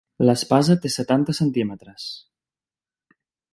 L'espasa té setanta centímetres.